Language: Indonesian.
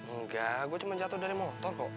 enggak gue cuma jatuh dari motor kok